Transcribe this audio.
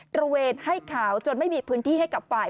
ระเวนให้ข่าวจนไม่มีพื้นที่ให้กับฝ่าย